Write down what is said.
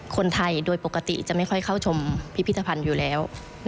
คนไทยโดยปกติจะไม่ค่อยเข้าชมพิพิธภัณฑ์อยู่แล้ว